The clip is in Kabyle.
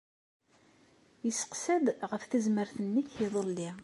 Yesseqsa-d ɣef tezmert-nnek iḍelli.